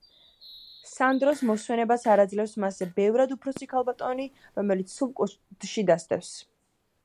სანდროს მოსვენებას არ აძლევს მასზე ბევრად უფროსი ქალბატონი, რომელიც სულ კუდში დასდევს.